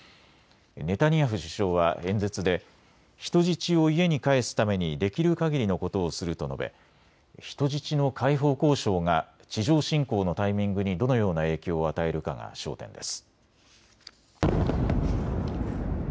ネタニヤフ首相は演説で人質を家に帰すためにできるかぎりのことをすると述べ、人質の解放交渉が地上侵攻のタイミングにどのような影響を与えるかが焦点です。